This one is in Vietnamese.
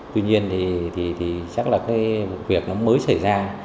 tuy nhiên thì chắc là cái vụ việc nó mới xảy ra